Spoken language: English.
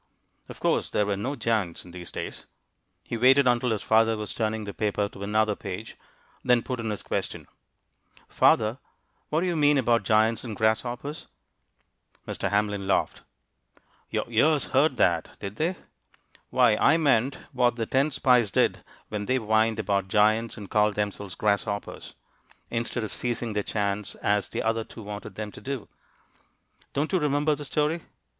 Of course there were no giants in these days! He waited until his father was turning the paper to another page, then put in his question: "Father, what do you mean about 'giants' and 'grasshoppers'?" Mr. Hamlin laughed. "Your ears heard that, did they? Why, I meant what the ten spies did when they whined about giants, and called themselves 'grasshoppers,' instead of seizing their chance, as the other two wanted them to do. Don't you remember the story?